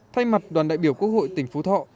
thay mặt đoàn đại biểu quốc hội tỉnh phú thọ